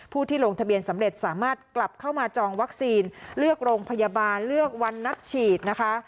ที่ลงทะเบียนสำเร็จสามารถกลับเข้ามาจองวัคซีนเลือกโรงพยาบาลเลือกวันนัดฉีดนะคะ